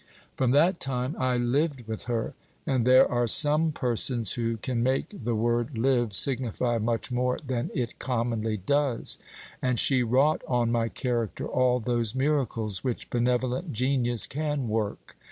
From that time I lived with her and there are some persons who can make the word live signify much more than it commonly does and she wrought on my character all those miracles which benevolent genius can work.